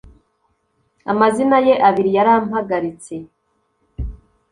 amazina ye abiri yarampagaritse.